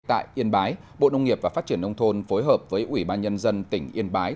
tại yên bái bộ nông nghiệp và phát triển nông thôn phối hợp với ủy ban nhân dân tỉnh yên bái